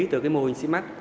từ mô hình simac